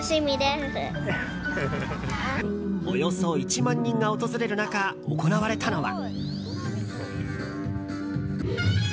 およそ１万人が訪れる中行われたのは。